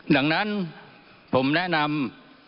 ดังนั้นผมแนะนำ